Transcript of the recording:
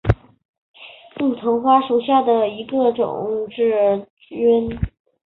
瘤枝杜鹃为杜鹃花科杜鹃属下的一个种。